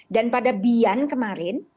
dan pada bian kemarin